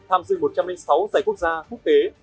tham dự một trăm linh sáu giải quốc gia quốc tế